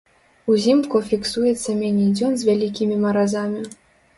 Узімку фіксуецца меней дзён з вялікімі маразамі.